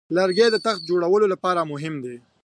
لرګی د تخت جوړولو لپاره مهم دی.